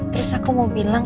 terus aku mau bilang